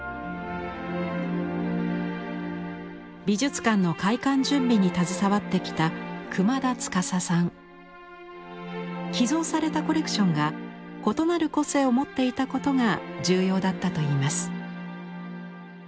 美術館の開館準備に携わってきた寄贈されたコレクションが異なる個性を持っていたことが重要だったといいます。